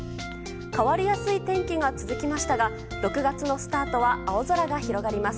変わりやすい天気が続きましたが６月のスタートは青空が広がります。